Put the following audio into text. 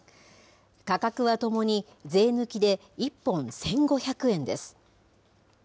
価格はともに税抜きで１本１５００円です。